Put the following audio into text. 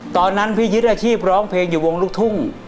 ตอนนั้นพี่ยึดอาชีพร้องเพลงอยู่วงลูกทุ่ง